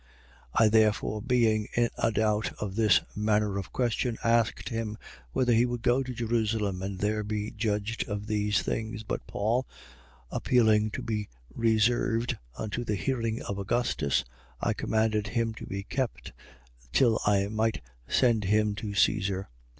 25:20. I therefore being in a doubt of this manner of question, asked him whether he would go to Jerusalem and there be judged of these things. 25:21. But Paul, appealing to be reserved unto the hearing of Augustus, I commanded him to be kept, till I might send him to Caesar.